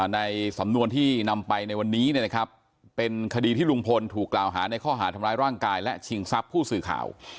ในสำนวนที่นำไปในวันนี้เป็นคดีที่ลุงพลถูกกล่าวหาในข้อหาทำร้ายร่างกายและชิงทรัพย์ผู้สื่อข่าว